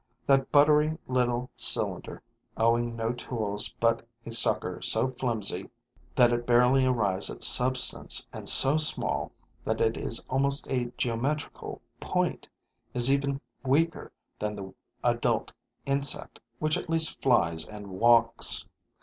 That buttery little cylinder, owning no tools but a sucker so flimsy that it barely arrives at substance and so small that it is almost a geometrical point, is even weaker than the adult insect, which at least flies and walks.